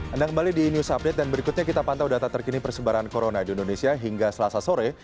anda kembali di news update dan berikutnya kita pantau data terkini persebaran corona di indonesia hingga selasa sore